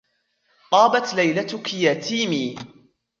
طابت ليلتك يا تيمي.